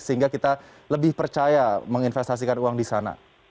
sehingga kita lebih percaya menginvestasikan uang di sana